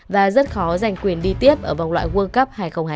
và rất khó giành quyền đi tiếp ở vòng loại world cup hai nghìn hai mươi